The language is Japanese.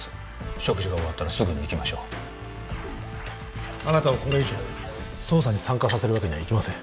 食事が終わったらすぐに行きましょうあなたをこれ以上捜査に参加させるわけにはいきません